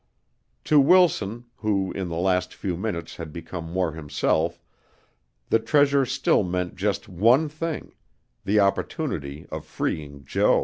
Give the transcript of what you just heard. To Wilson, who in the last few minutes had become more himself, the treasure still meant just one thing the opportunity of freeing Jo.